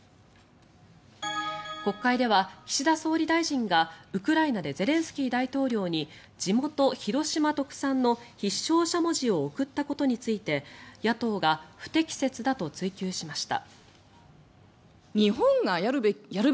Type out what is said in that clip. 国会では岸田総理大臣がウクライナでゼレンスキー大統領に地元・広島特産の必勝しゃもじを贈ったことについて野党が不適切だと追及しました。